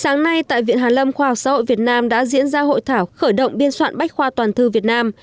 sáng nay tại viện hàn lâm khoa học xã hội việt nam đã diễn ra hội thảo khởi động biên soạn bách khoa toàn thư việt nam